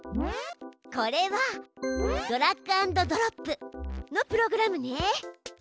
これはドラッグアンドドロップのプログラムね。